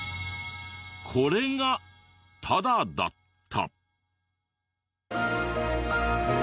これがタダだった。